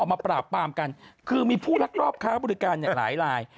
ออกมาปราบปลามกันคือมีผู้รับรอบขาบูริการเนี่ยหลายราย